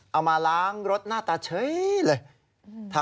เอามาล้างรถหน้าตาเฉยเลย